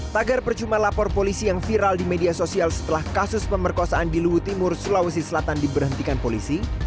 tagar percuma lapor polisi yang viral di media sosial setelah kasus pemerkosaan di luwu timur sulawesi selatan diberhentikan polisi